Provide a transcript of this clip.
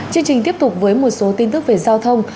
chương trình tiếp tục với một số tin tức về giao thông